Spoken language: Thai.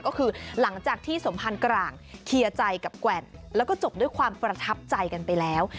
ก็คือหลังจากที่สมพันธ์กลางเคลียร์ใจกับแกว่นแล้วก็จบด้วยความประทับใจกันไปแล้ว